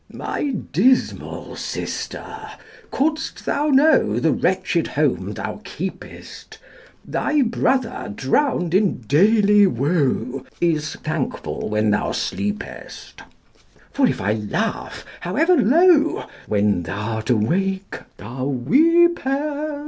My dismal sister! Couldst thou know The wretched home thou keepest! Thy brother, drowned in daily woe, Is thankful when thou sleepest; For if I laugh, however low, When thou'rt awake, thou weepest!